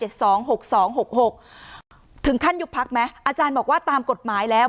ถึงขั้นยุบพักไหมอาจารย์บอกว่าตามกฎหมายแล้ว